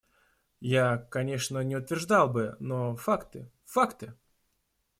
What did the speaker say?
Я, конечно, не утверждал бы, но факты… факты!